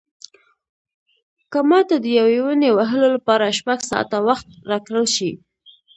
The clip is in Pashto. که ماته د یوې ونې وهلو لپاره شپږ ساعته وخت راکړل شي.